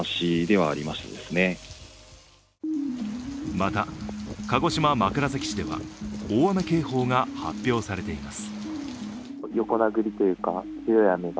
また、鹿児島・枕崎市では大雨警報が発表されています。